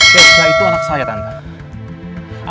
keisha itu anak saya tante